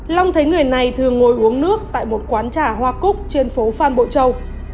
long thấy người này thường ngồi uống nước tại một quán trà hoa cúc trên phố phan bộ châu